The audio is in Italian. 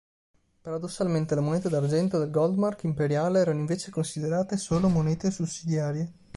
Paradossalmente le monete d'argento del Goldmark imperiale erano invece considerate solo monete sussidiarie.